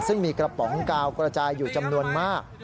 ซึ่งมีกระป๋องกาวกระจายอยู่จำนวนมาก